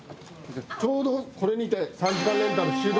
ちょうどこれにて３時間レンタル終了です。